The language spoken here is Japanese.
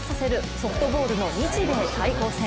ソフトボールの日米対抗戦。